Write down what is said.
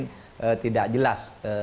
yang tidak jelas